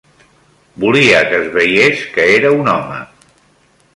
Volia que es veiés que era un home